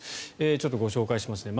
ちょっとご紹介しますね。